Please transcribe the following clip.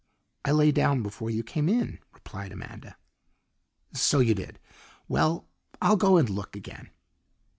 "I lay down before you came in," replied Amanda. "So you did. Well, I'll go and look again."